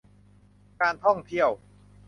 การท่องเที่ยว